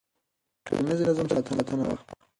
د ټولنیز نظم ساتنه وکړه.